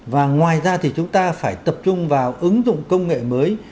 và ngoài ra thì chúng ta phải tập trung vào ứng dụng công nghệ mới